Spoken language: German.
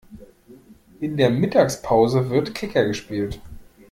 In der Mittagspause wird Kicker gespielt.